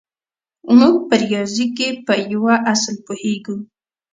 موږ په ریاضي کې په یوه اصل پوهېږو